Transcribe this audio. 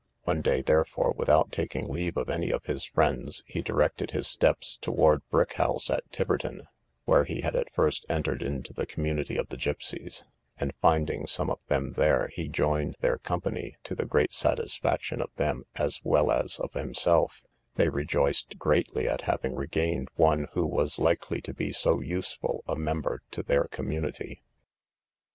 One day, therefore, without taking leave of any of his friends, he directed his steps towards Brick house, at Tiverton, where he had at first entered into the community of the gipseys; and finding some of them there, he joined their company, to the great satisfaction of them, as well as of himself; they rejoiced greatly at having regained one who was likely to be so useful a member to their community.